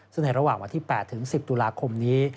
ซึ่งในระหว่างวันที่๘ถึง๑๐ตุลาคมนี้